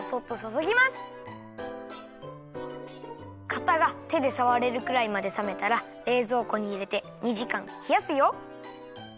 かたがてでさわれるくらいまでさめたられいぞうこにいれて２じかんひやすよ。